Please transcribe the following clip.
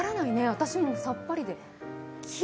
私もさっぱりです。